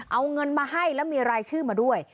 เอาเงินมาให้แล้วมีรายชื่อมาด้วย